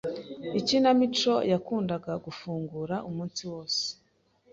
Ikinamico yakundaga gufungura umunsi wose.